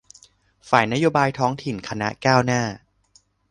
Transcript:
ฝ่ายนโยบายท้องถิ่นคณะก้าวหน้า